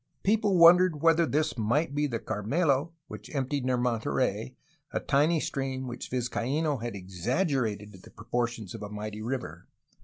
People wondered whether this might be the Carmelo which emptied near Monterey, a tiny stream which Vizcaino had exagge rated to the proportions of a mighty river.